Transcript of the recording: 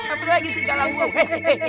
apa lagi sih kalau gue